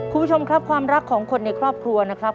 คุณผู้ชมครับความรักของคนในครอบครัวนะครับ